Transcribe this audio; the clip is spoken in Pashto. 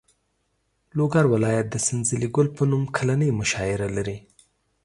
لوګر ولایت د سنځلې ګل په نوم کلنۍ مشاعره لري.